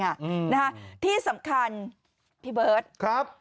อืมนะฮะที่สำคัญพี่เบิร์ตครับ